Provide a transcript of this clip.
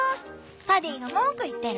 パディが文句言ってる。